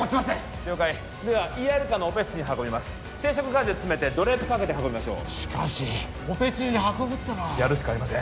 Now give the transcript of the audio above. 了解ではＥＲカーのオペ室に運びます生食ガーゼ詰めてドレープ掛けて運びましょうしかしオペ中に運ぶっていうのはやるしかありません